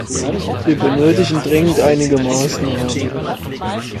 Wir benötigen dringend einige Maßnahmen.